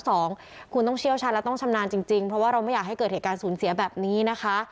สองคุณต้องเชี่ยวชาญและต้องชำนาญจริงจริงเพราะว่าเราไม่อยากให้เกิดเหตุการณ์สูญเสียแบบนี้นะคะ